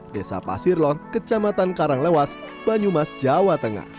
desa pasirlon kecamatan karanglewas banyumas jawa tengah